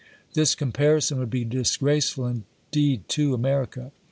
This comparison would be disgraceful indeed to America.